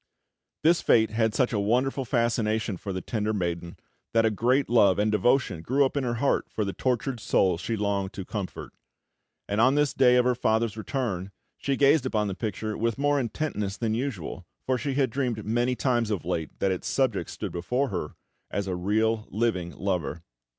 This face had such a wonderful fascination for the tender maiden, that a great love and devotion grew up in her heart for the tortured soul she longed to comfort; and on this day of her father's return, she gazed upon the picture with more intentness than usual, for she had dreamed many times of late that its subject stood before her as a real living lover.